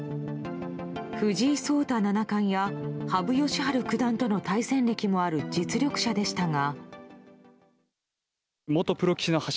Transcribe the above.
藤井聡太七冠や羽生善治九段との対戦歴もある実力者でしたが。